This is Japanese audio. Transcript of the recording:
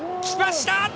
きました！